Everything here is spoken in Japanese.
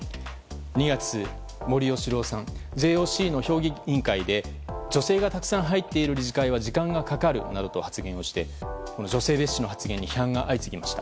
２月、森喜朗さんＪＯＣの評議委員会で女性がたくさん入っている理事会は女性がかかるなどと発言してこの女性蔑視発言に批判が相次ぎました。